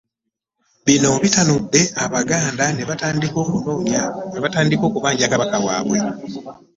Bino bitanudde Abaganda ne batandika okubanja Kabaka waabwe.